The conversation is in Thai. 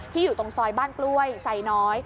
อยู่ตรงซอยบ้านกล้วยไซน้อย